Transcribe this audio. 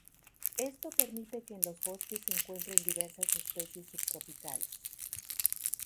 Esto permite que en los bosques se encuentren diversas especies subtropicales.